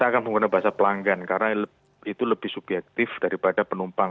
karena itu lebih subjektif daripada penumpang